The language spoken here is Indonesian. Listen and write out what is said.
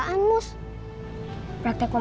dan sudah sampai